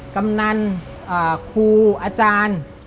กำนันครูอาจารย์